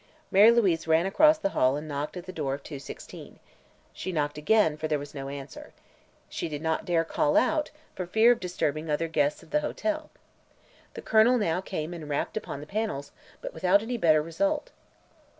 Mary Louise ran across the hall and knocked at the door of 216. She knocked again, for there was no answer. She did not dare call out, for fear of disturbing other guests of the hotel. The Colonel now came and rapped upon the panels, but without any better result.